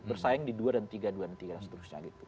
bersaing di dua dan tiga dua dan tiga dan seterusnya gitu